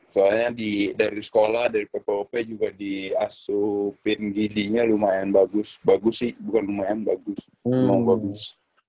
soalnya dari sekolah dari ppop juga di asu pngd nya lumayan bagus bagus sih bukan lumayan bagus emang bagus